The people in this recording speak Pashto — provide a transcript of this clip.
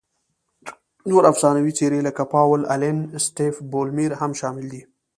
نورې افسانوي څېرې لکه پاول الن، سټیف بولمیر هم شامل دي.